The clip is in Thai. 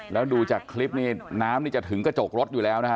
แล้วดูจากคลิปนี้น้ำนี่จะถึงกระจกรถอยู่แล้วนะฮะ